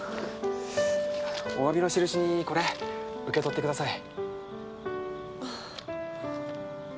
お詫びの印にこれ受け取ってください。